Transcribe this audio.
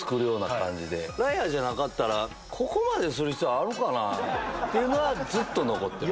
ライアーじゃなかったらここまでする必要ある？っていうのはずっと残ってます。